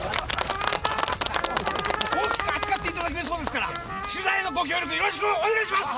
大きく扱っていただけるそうですから取材のご協力よろしくお願いします！